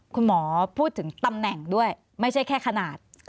คุณหมอพูดถึงตำแหน่งด้วยไม่ใช่แค่ขนาด